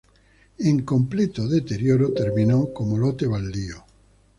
En completo deterioro, terminó como lote baldío.